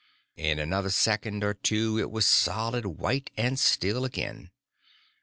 In another second or two it was solid white and still again.